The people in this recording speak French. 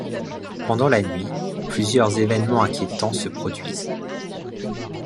Pendant la nuit, plusieurs évènements inquiétants se produisent.